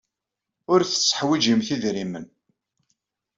Ur tetteḥwijimt idrimen.